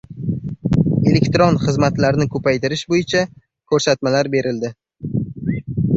Elektron xizmatlarni ko‘paytirish bo‘yicha ko‘rsatmalar berildi